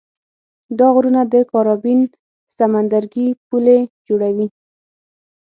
دا غرونه د کارابین سمندرګي پولې جوړوي.